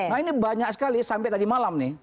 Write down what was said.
nah ini banyak sekali sampai tadi malam nih